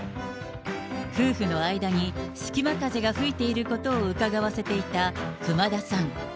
夫婦の間に隙間風が吹いていることをうかがわせていた熊田さん。